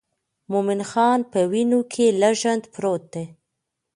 مومن خان په وینو کې لژند پروت دی.